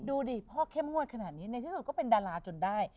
ดูดิพ่อเข้มงวดขนาดนี้ในที่สุดก็เป็นดาราจนได้